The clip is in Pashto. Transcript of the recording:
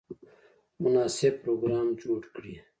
مناسب پروګرام جوړ کړي.